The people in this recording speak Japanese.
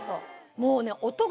もうね。